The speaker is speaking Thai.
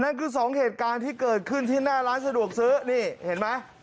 นั่นคือสองเหตุการณ์ที่เกิดขึ้นที่หน้าร้านสะดวกซื้อนี่เห็นไหม